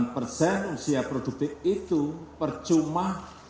delapan persen usia produktif itu percuma